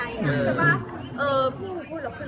โอ้ยทุกคนคะพี่สงกันเมื่อกี้ค่ะ